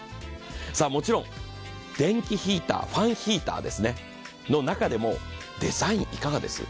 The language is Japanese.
もちろん電気ヒーター、ファンヒーターの中でもデザインいかがです？